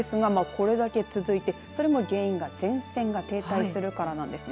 これだけ続いて、それも原因が前線が停滞するからなんです。